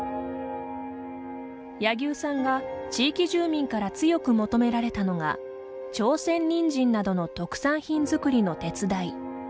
柳生さんが地域住民から強く求められたのが朝鮮人参などの特産品作りの手伝い。